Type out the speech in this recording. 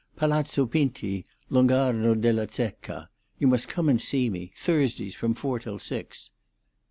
Palazzo Pinti, Lung' Arno della Zecca. You must come and see me. Thursdays from four till six."